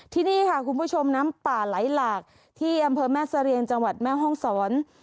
ที่นี่ค่ะคุณผู้ชมน้ำป่าไหลหลากที่อำเภอแม่เสรียงจังหวัดแม่ห้องศร